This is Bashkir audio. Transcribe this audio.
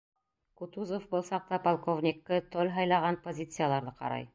Кутузов был саҡта полковник К. Толь һайлаған позицияларҙы ҡарай.